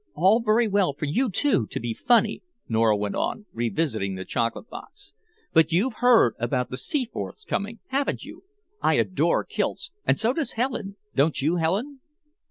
"All very well for you two to be funny," Nora went on, revisiting the chocolate box, "but you've heard about the Seaforths coming, haven't you? I adore kilts, and so does Helen; don't you, Helen?"